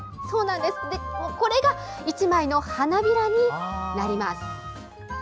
これが１枚の花びらになります。